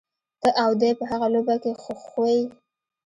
ته او دی په هغه لوبه کي خو خوئ.